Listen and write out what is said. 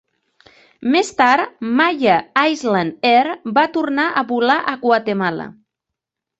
Més tard, Maya Island Air va tornar a volar a Guatemala.